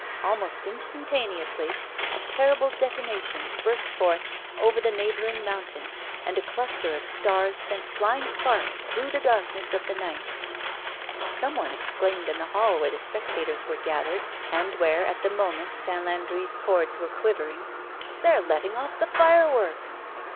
Almost instantaneously a terrible detonation burst forth over the neighboring mountain, and a cluster of stars sent flying sparks through the darkness of the night. Somebody exclaimed in the hall where the spectators were gathered, and where at the moment Saint Landri's chords were quivering: "They're letting off the fireworks!"